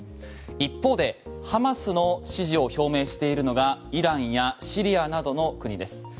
一方でハマスの支持を表明しているのがイランやシリアなどの国です。